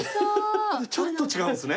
ちょっと違うんですね。